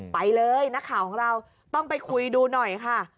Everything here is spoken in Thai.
ไปเลยนักข่าวของเราต้องไปคุยดูหน่อยค่ะ